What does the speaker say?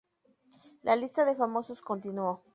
La lista de famosos continuó.